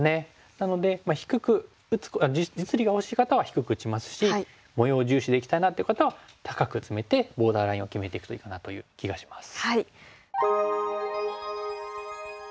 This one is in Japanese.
なので実利が欲しい方は低く打ちますし模様を重視でいきたいなっていう方は高くツメてボーダーラインを決めていくといいかなという気がします。